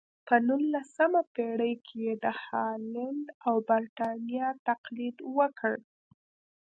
په نولسمه پېړۍ کې یې د هالنډ او برېټانیا تقلید وکړ.